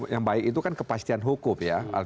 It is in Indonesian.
yang baik itu kan kepastian hukum ya